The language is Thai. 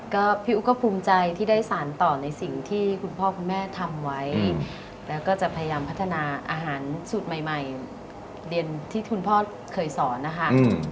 ก็พี่อุ๊กก็ภูมิใจที่ได้สารต่อในสิ่งที่คุณพ่อคุณแม่ทำไว้แล้วก็จะพยายามพัฒนาอาหารสูตรใหม่เรียนที่คุณพ่อเคยสอนนะคะ